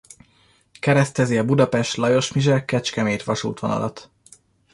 Keresztezi a Budapest–Lajosmizse–Kecskemét-vasútvonalat.